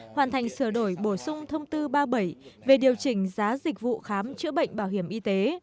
hoàn thành sửa đổi bổ sung thông tư ba mươi bảy về điều chỉnh giá dịch vụ khám chữa bệnh bảo hiểm y tế